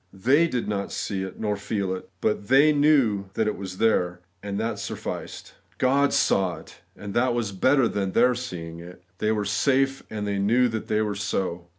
They did not see it, nor feel it ; but they knew that it was there, and that sufficed. God saw it, and that was better than their seeing it. They were safe ; and they knew that they were so.